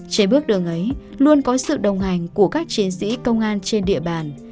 chế bước đường ấy luôn có sự đồng hành của các chiến sĩ công an trên địa bàn